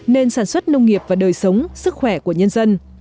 nền sản xuất nông nghiệp và đời sống sức khỏe của nhân dân